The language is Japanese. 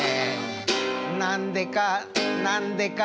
「なんでかなんでか」